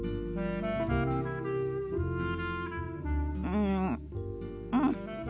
うんうん。